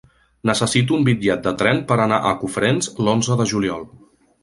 Necessito un bitllet de tren per anar a Cofrents l'onze de juliol.